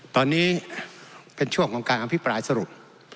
ตอนนี้เป็นช่วงของการอภิปรายสรุป